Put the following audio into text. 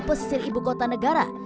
pesisir ibu kota negara